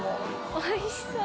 おいしそう。